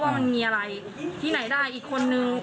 มันมีอะไรที่ไหนได้อีกคนนึง